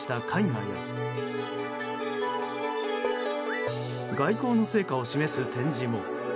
外交の成果を示す展示も。